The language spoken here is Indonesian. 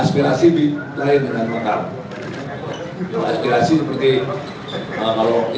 kerja kerja yang tidak bermini